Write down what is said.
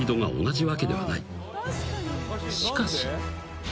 ［しかし］